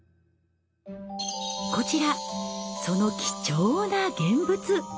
こちらその貴重な現物。